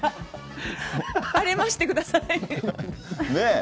アレましてください。ね。